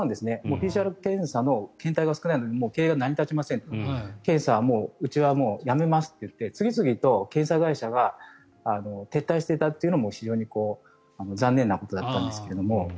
ＰＣＲ検査の検体が少ないので経営が成り立ちませんと検査はうちはやめますって次々と検査会社が撤退していたというのも非常に残念なことだったんですけど。